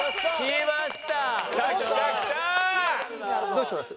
どうします？